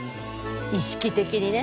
意識的にね。